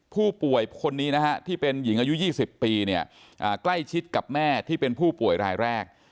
ผู้ป่วยคนนี้นะฮะที่เป็นหญิงอายุ๒๐ปีเนี่ยใกล้ชิดกับแม่ที่เป็นผู้ป่วยรายแรก